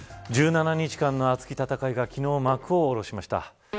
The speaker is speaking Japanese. １７日間の熱き戦いが昨日、幕を下ろしました。